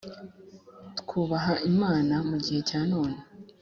twubaha Imana mu gihe cya none